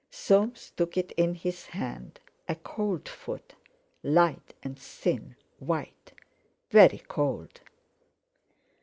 Soames took it in his hand, a cold foot, light and thin, white, very cold.